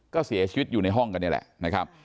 ก็เสียชีวิตอยู่ในห้องกันเนี่ยแหละ